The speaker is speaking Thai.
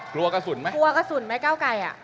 กลัวกระสุนไหมกลัวกระสุนไหมเก้าไก่อ่ะ